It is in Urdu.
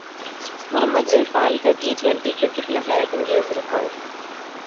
محمد عرفان کا ٹی ٹوئنٹی کرکٹ میں حیرت انگیز ریکارڈ